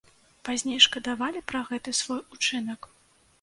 Пазней шкадавалі пра гэты свой учынак?